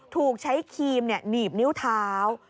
ถูกใช้ครีมหนีบนิ้วเท้า